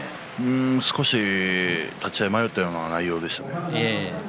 少し立ち合い迷ったような内容でしたね。